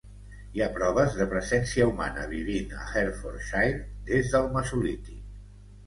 Hi ha proves de presència humana vivint a Hertfordshire des del mesolític.